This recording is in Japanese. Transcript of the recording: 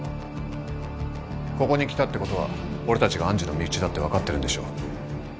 ここに来たってことは俺たちが愛珠の身内だって分かってるんでしょう？